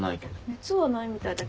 熱はないみたいだけど。